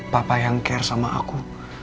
papa yang care sama aku